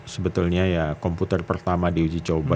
sebetulnya ya komputer pertama di uji coba